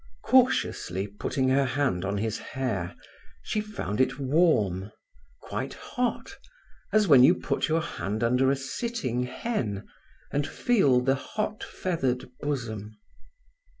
Cautiously putting her hand on his hair, she found it warm, quite hot, as when you put your hand under a sitting hen, and feel the hot feathered bosom.